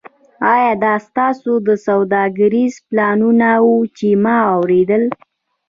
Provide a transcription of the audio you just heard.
ایا دا ستاسو سوداګریز پلانونه وو چې ما اوریدل